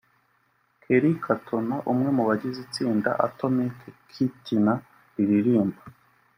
Kerry Katona umwe mu bagize itsinda “Atomic Kitten” riririmba